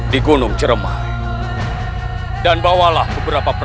dan menangkapnya dengan kebenaran